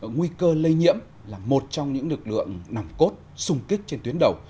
nguy cơ lây nhiễm là một trong những lực lượng nòng cốt sung kích trên tuyến đầu